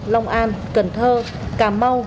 long an cần thơ cà mau